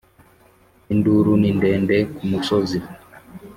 Induru ni ndende ku musozi